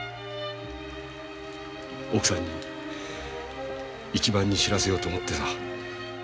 奥さんにいちばんに知らせようと思ってさ。